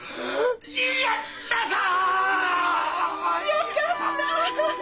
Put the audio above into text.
やったぞ！